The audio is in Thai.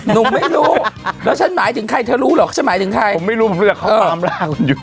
หนูไม่รู้แล้วฉันหมายถึงใครเธอรู้หรอกฉันหมายถึงใครผมไม่รู้ผมรู้จักเขาอยู่